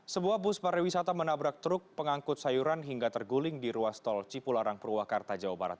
sebuah bus pariwisata menabrak truk pengangkut sayuran hingga terguling di ruas tol cipularang purwakarta jawa barat